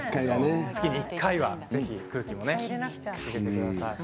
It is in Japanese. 月に１回は空気も入れてください。